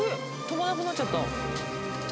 飛ばなくなっちゃった。